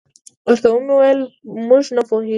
ورته مې وویل: موږ نه پوهېږو.